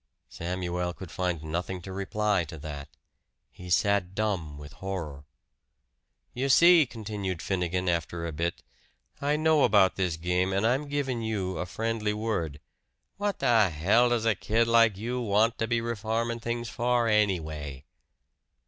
Samuel could find nothing to reply to that. He sat dumb with horror. "You see," continued Finnegan after a bit, "I know about this game, and I'm givin' you a friendly word. What the hell does a kid like you want to be reformin' things for anyway?"